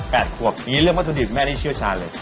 ยังงี้เรื่องมัตถุดิบแม่ได้เชื่อชาลเลย